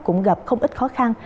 cũng gặp không ít khó khăn